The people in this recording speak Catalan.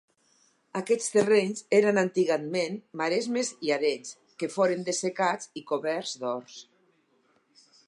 Aquests terrenys eren antigament maresmes i arenys que foren dessecats i coberts d'horts.